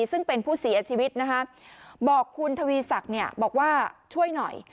ซึ่งเป็นผู้เสียชีวิตนะคะบอกคุณทวีศักดิ์เนี่ยบอกว่าช่วยหน่อย